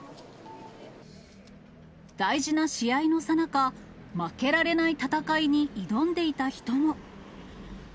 大事な試合のさなか、負けられない戦いに挑んでいた人も。